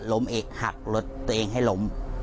เอกหักรถตัวเองให้ล้ม